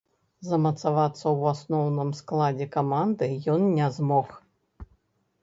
Замацавацца ў асноўным складзе каманды ён не змог.